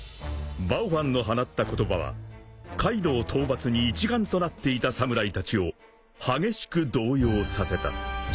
［バオファンの放った言葉はカイドウ討伐に一丸となっていた侍たちを激しく動揺させた］